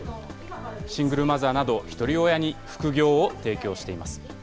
シングルマザーなど、ひとり親に副業を提供しています。